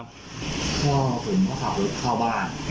พ่อผมก็ขับรถเข้าบ้าน